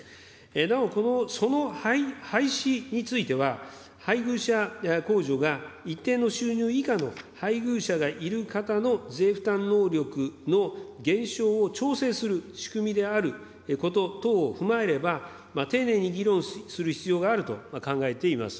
なおその廃止については、配偶者控除が一定の収入以下の配偶者がいる方の税負担能力の減少を調整する仕組みであること等を踏まえれば、丁寧に議論する必要があると考えています。